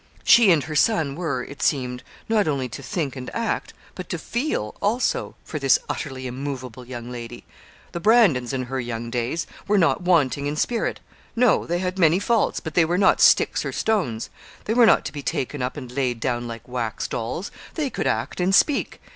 She and her son were, it seemed, not only to think and act, but to feel also, for this utterly immovable young lady! The Brandons, in her young days, were not wanting in spirit. No; they had many faults, but they were not sticks or stones. They were not to be taken up and laid down like wax dolls; they could act and speak.